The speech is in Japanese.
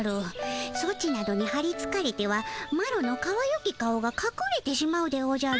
ソチなどにはりつかれてはマロのかわゆき顔がかくれてしまうでおじゃる。